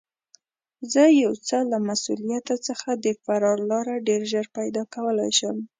زه یو څه له مسوولیته څخه د فرار لاره ډېر ژر پیدا کولای شم.